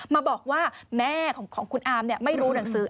มาบอกว่าแม่ของคุณอามไม่รู้หนังสือ